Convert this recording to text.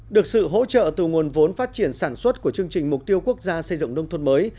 được sự hỗ trợ từ nguồn vốn phát triển sản xuất của chương trình mục tiêu quốc gia xây dựng nông thôn mới